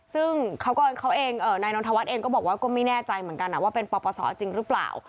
ซึ่งเขาเองนายนนทวัฒน์เองก็บอกว่าก็ไม่แน่ใจเหมือนกันว่าเป็นปปศจริงหรือเปล่า